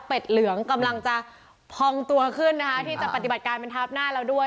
เหลืองกำลังจะพองตัวขึ้นนะคะที่จะปฏิบัติการเป็นทับหน้าเราด้วย